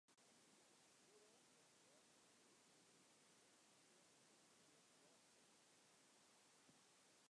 Oeral dêr't de brannettel groeit kinst ek de giele of pearse dôvenettel tsjinkomme.